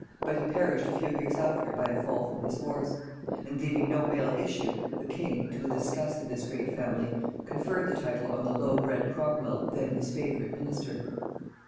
But he perished a few years after by a fall from his horse; and leaving no male issue, the king, to the disgust of this great family, conferred the title on the low bred Cromwel, then his favorite minister.